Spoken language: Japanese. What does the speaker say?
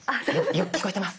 よく聞こえてます。